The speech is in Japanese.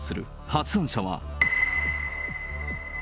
発案者は。